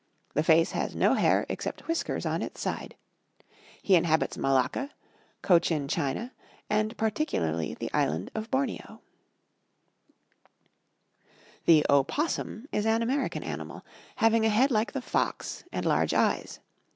The face has no hair except whiskers on its side. He inhabits Malacca, Cochin China, and particularly the island of Borneo. [Illustration: Opossums.] The Opossum is an American animal, having a head like the fox, and large eyes.